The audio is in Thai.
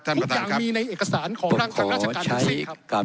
ท่านประธานครับทุกอย่างมีในเอกสารของทางราชการลูกศรีครับ